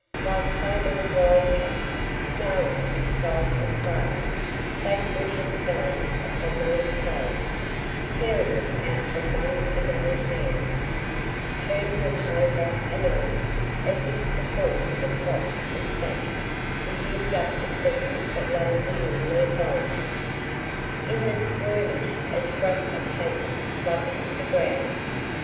Like so many wild cats snarling at sight of prey, they threw themselves upon those clothes, tearing them out from one another's hands, turning them over and over as if to force the cloth and satin to yield up the secret that lay within their folds. In the skirmish a scrap of paper fluttered to the ground.